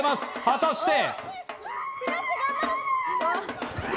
果たして？